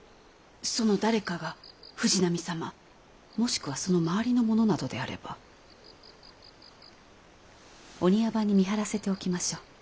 その誰かが藤波様もしくはその周りの者などであればお庭番に見張らせておきましょう。